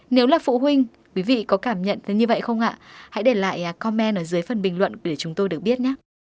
nếu là phụ huynh quý vị có cảm nhận được như vậy không ạ hãy để lại commen ở dưới phần bình luận để chúng tôi được biết nhé